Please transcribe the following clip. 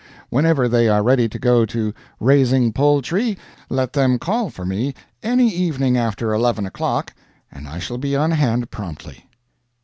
Whenever they are ready to go to raising poultry, let them call for me any evening after eleven o'clock, and I shall be on hand promptly.